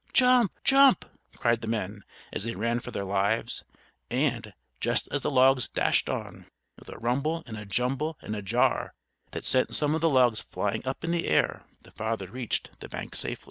"Jump! Jump!" cried the men, as they ran for their lives; and, just as the logs dashed on, with a rumble and a jumble and a jar that sent some of the logs flying up in the air, the father reached the bank safely.